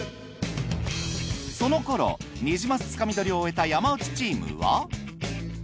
その頃ニジマスつかみ取りを終えた山内チームは。